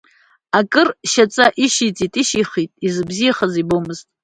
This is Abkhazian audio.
Акыр шьаҵа ишьиҵеит, ишьихит, избзиахоз ибомызт.